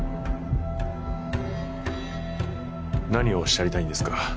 何をおっしゃりたいんですか？